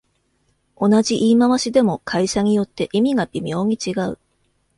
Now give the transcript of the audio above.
同じ言い回しでも会社によって意味が微妙に違う